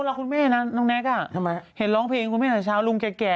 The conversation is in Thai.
บ้านมันขายไปสามหลังแล้วจริงนะ